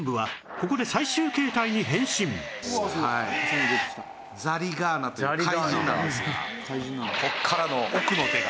「ここからの奥の手が」